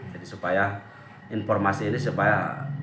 jadi supaya informasi ini supaya